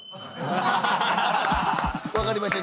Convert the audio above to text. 「分かりました。